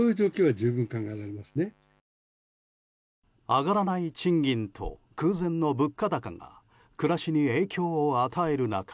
上がらない賃金と空前の物価高が暮らしに影響を与える中